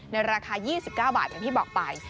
ในราคา๒๙บาทอย่างที่บอกไป